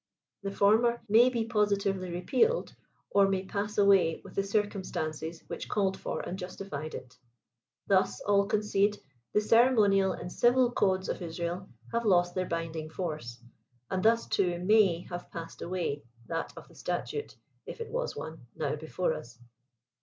The former may be positively repealed, or may pass away with the circumstances which called for and justified it. Thus, all concede, the cere monial and civil codes of Israel have lost their bindings force ; and thus, too, mny have passed aWay that of the statute, if it was one, now before us.